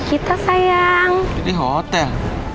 kita sayang jadi hotel